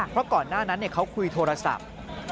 เพราะก่อนหน้านั้นเขาคุยโทรศัพท์